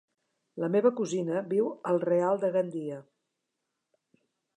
La meva cosina viu al Real de Gandia.